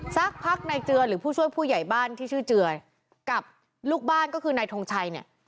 สักพักนายเจือหรือผู้ช่วยผู้ใหญ่บ้านที่ชื่อเจือกับลูกบ้านก็คือนายทงชัยเนี่ย